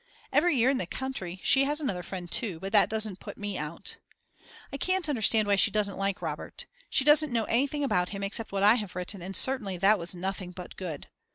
Every year in the country she has another friend too, but that doesn't put me out. I can't understand why she doesn't like Robert; she doesn't know anything about him except what I have written and certainly that was nothing but good.